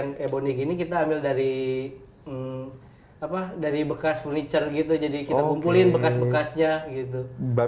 meski diadakan mengimplementasikan